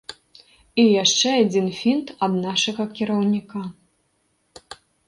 І яшчэ адзін фінт ад нашага кіраўніка.